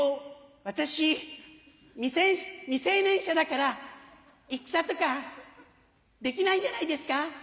私未成年者だから戦とかできないんじゃないですか？